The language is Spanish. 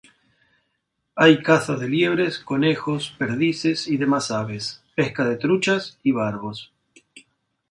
Hay caza de liebres, conejos, perdices y demás aves, pesca de truchas y barbos.